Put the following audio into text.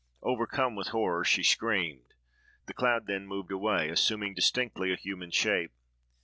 Overcome with horror, she screamed. The cloud then moved away, assuming distinctly a human shape.